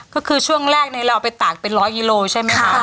ก็คือช่วงแรกเราเอาไปตากเป็นร้อยกิโลใช่ไหมคะ